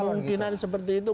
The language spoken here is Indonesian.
kemungkinan seperti itu